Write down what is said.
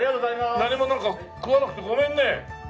何もなんか食わなくてごめんね。